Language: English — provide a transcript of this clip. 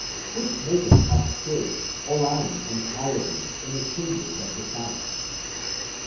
Which maketh Arcturus, Orion, and Pleiades, and the chambers of the south.